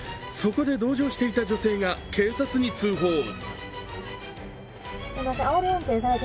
そこで同乗していた女性が警察に通報。